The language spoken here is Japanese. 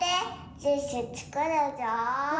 ジュースつくるぞ！